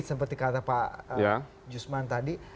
seperti kata pak jusman tadi